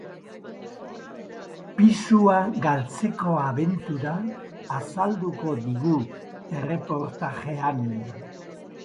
Pisua galtzeko abentura azalduko digu erreportajean.